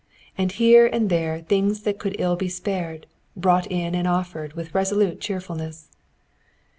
And here and there things that could ill be spared, brought in and offered with resolute cheerfulness.